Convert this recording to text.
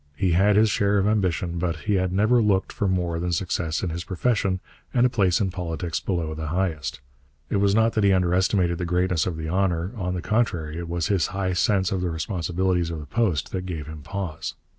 He had his share of ambition, but he had never looked for more than success in his profession and a place in politics below the highest. It was not that he underestimated the greatness of the honour; on the contrary, it was his high sense of the responsibilities of the post that gave him pause.